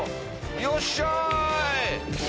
よっしゃ！